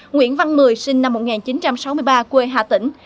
nguyễn văn mười sinh năm một nghìn chín trăm sáu mươi ba quê hà tĩnh